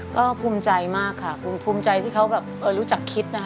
ก็ภูมิใจมากค่ะผมภูมิใจว่าเขารู้จักคิด